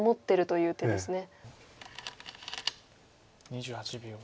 ２８秒。